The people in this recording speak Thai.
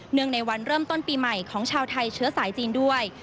งในวันเริ่มต้นปีใหม่ของชาวไทยเชื้อสายจีนด้วย